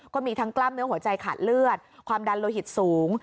ก็มีทั้งกล้ามเนื้อหัวใจขาดเลือดความดันโลหิตสูง